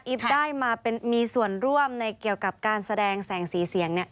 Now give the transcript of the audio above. ได้มามีส่วนร่วมในเกี่ยวกับการแสดงแสงสีเสียงเนี่ย